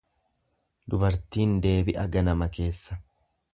Dubartiin deebi'a ganama keessa.